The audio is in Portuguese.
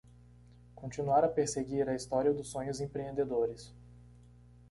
Continuar a perseguir a história dos sonhos empreendedores